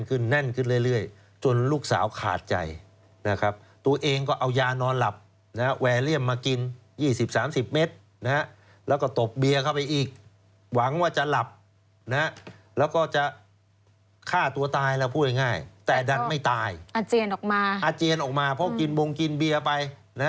ก็เสียใจนะคะในฐานะคนเป็นแม่แต่ว่าจะทำยังไง